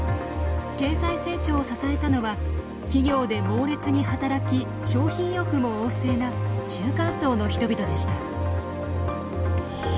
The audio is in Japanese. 経済成長を支えたのは企業で猛烈に働き消費意欲も旺盛な中間層の人々でした。